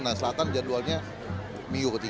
nah selatan jadwalnya minggu ketiga